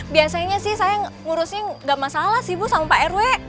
biasanya sih saya ngurusin gak masalah sih bu sama pak rw